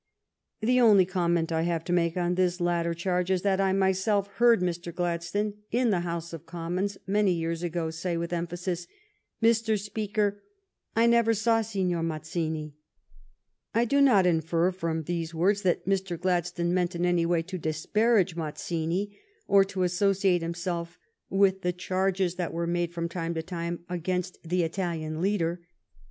The only comment I have to make on this latter charge is that I myself heard Mr. Gladstone, in the House of Commons, many years ago, say, with emphasis, " Mr. Speaker, I never saw Signor Mazzini." I do not infer from these words that Mr. Gladstone meant in any way to disparage Mazzini or to associate himself with the charges that were made from time to time against the Italian leader.